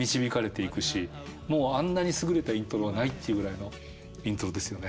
もうあんなに優れたイントロはないっていうぐらいのイントロですよね。